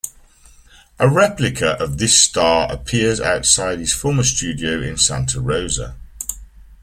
A replica of this star appears outside his former studio in Santa Rosa.